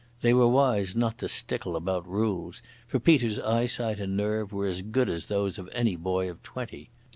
They were wise not to stickle about rules, for Peter's eyesight and nerve were as good as those of any boy of twenty.